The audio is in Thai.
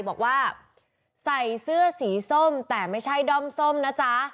บอกว่าใส่เสื้อสีส้มแต่ไม่ใช่ด้อมส้มนะจ๊ะ